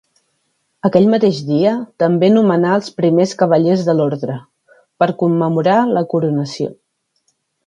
Aquell mateix dia també nomenà els primers cavallers de l'orde, per commemorar la coronació.